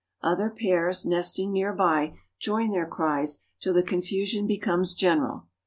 Other pairs, nesting near by, join their cries till the confusion becomes general.